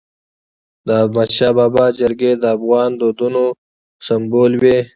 د احمدشاه بابا جرګي د افغان دودونو سمبول وي.